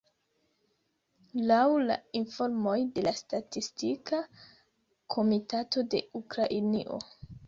Laŭ la informoj de la statistika komitato de Ukrainio.